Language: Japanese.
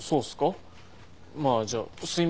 まあじゃあすいません。